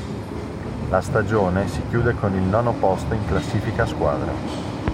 La stagione si chiude con il nono posto in classifica a squadre.